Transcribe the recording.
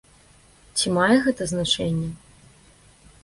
Ці мае гэта значэнне?